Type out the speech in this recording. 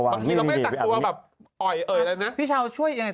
บางทีเราไม่ได้ตักตัวแบบเอ่ยเอ่ยแล้วน่ะพี่ชาวช่วยยังไง